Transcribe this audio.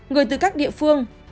người từ các địa phương